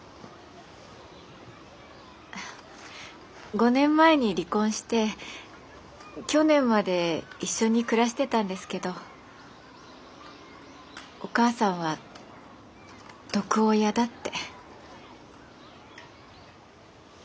５年前に離婚して去年まで一緒に暮らしてたんですけどお母さんは毒親だって。